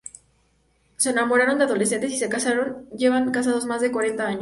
Se enamoraron de adolescentes y se casaron, llevan casados más de cuarenta años.